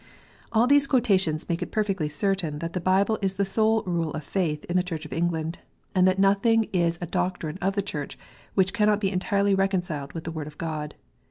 All these quotations make it perfectly certain that the Bible is the sole rule of faith in the Church of England, and that nothing is a doctrine of the Church which cannot be entirely reconciled with the Word of God.